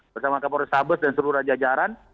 bersama kapolres sabes dan seluruh raja jalan